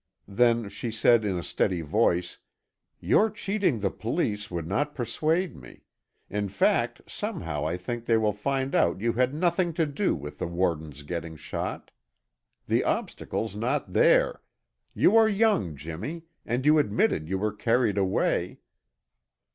Then she said in a steady voice: "Your cheating the police would not persuade me; in fact, somehow I think they will find out you had nothing to do with the warden's getting shot. The obstacle's not there. You are young, Jimmy, and you admitted you were carried away."